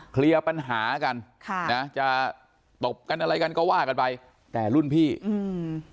เคลียร์ปัญหากันค่ะนะจะตบกันอะไรกันก็ว่ากันไปแต่รุ่นพี่อืม